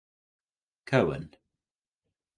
Cohen.